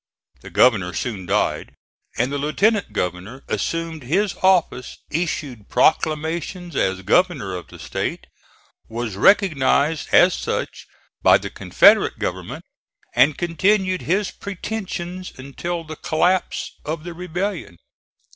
The governor soon died, and the lieutenant governor assumed his office; issued proclamations as governor of the State; was recognized as such by the Confederate Government, and continued his pretensions until the collapse of the rebellion.